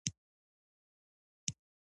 مډرنه نړۍ کې دین نقش ومنو.